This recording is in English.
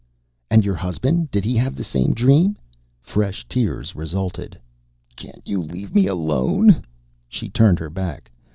"And your husband? Did he have the same dream?" Fresh tears resulted. "Can't you leave me alone?" She turned her back.